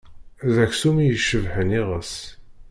D aksum i icebbḥen iɣes.